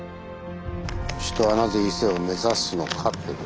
「人はなぜ伊勢を目指すのか」という。